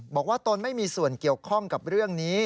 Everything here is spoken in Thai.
ตนไม่มีส่วนเกี่ยวข้องกับเรื่องนี้